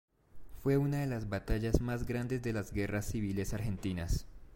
Fue una de las batallas más grandes de las guerras civiles argentinas.